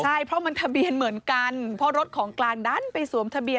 ใช่เพราะมันทะเบียนเหมือนกันเพราะรถของกลางดันไปสวมทะเบียน